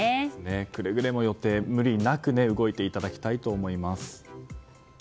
くれぐれも予定、無理なく動いていただきたいと思います。